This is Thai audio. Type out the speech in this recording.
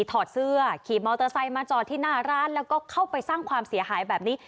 ถอดเสื้อขี่มอเตอร์ไซค์มาจอดที่หน้าร้านแล้วก็เข้าไปสร้างความเสียหายแบบนี้